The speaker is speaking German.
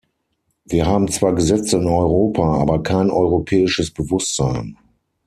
Wir haben zwar Gesetze in Europa, aber kein europäisches Bewusstsein.